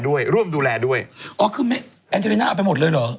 ร่วมดูแลด้วยอ๋อคือไม่แอนเจริน่าเอาไปหมดเลยเหรอ